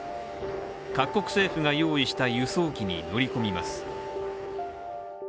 各国政府が用意した輸送機に乗り込みます。